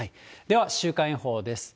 では週間予報です。